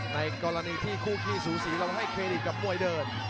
ในกรณีที่คู่ขี้สูสีเราให้เครดิตกับมวยเดิน